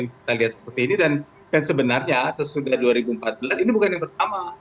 kita lihat seperti ini dan sebenarnya sesudah dua ribu empat belas ini bukan yang pertama